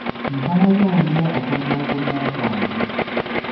Mpaayo ntya okwemulugunya kwange?